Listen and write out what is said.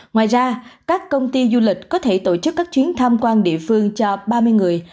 ngoài ra các công ty du lịch có thể tổ chức các chuyến tham quan địa phương cho ba mươi người